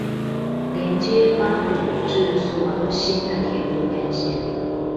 連接八堵至蘇澳新的鐵路幹線